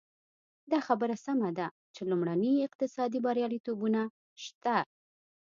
دا خبره سمه ده چې لومړني اقتصادي بریالیتوبونه شته.